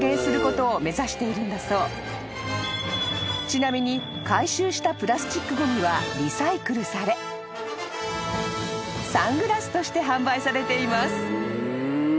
［ちなみに回収したプラスチックごみはリサイクルされサングラスとして販売されています］